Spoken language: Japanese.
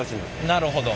なるほど。